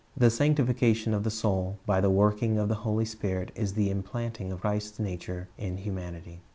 The sanctification of the soul by the working of the Holy Spirit is the implanting of Christ's nature in humanity.